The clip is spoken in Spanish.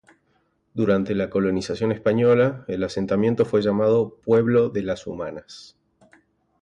Durante la colonización española el asentamiento fue llamado "Pueblo de Las Humanas".